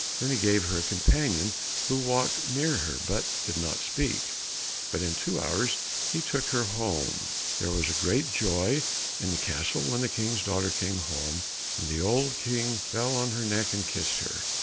Then he gave her a companion who walked near her, but did not speak, but in two hours he took her home; there was great joy in the castle when the King's daughter came home, and the old King fell on her neck and kissed her.